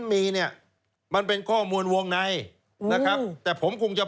ปี๐๖มันเกิดอะไรขึ้นครับคุณผู้ชมครับ